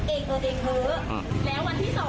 เพราะว่าเขาทะเลาะกันเองเขาน่าจะเล่นเยอะนะคะอ่า